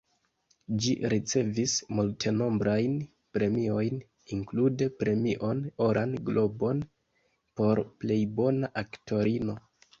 Ŝi ricevis multenombrajn premiojn, inklude Premion Oran Globon por plej bona aktorino.